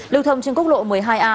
lưu thông trên quốc lộ một mươi hai a